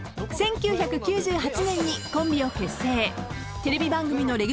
［１９９８年にコンビを結成］